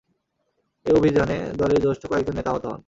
এই অভিযানে দলের জ্যেষ্ঠ কয়েকজন নেতা আহত হন।